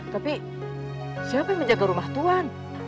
tapi siapa yang menjaga rumah tuhan